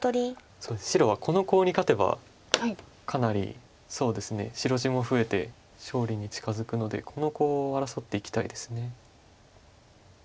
そう白はこのコウに勝てばかなり白地も増えて勝利に近づくのでこのコウを争っていきたいです。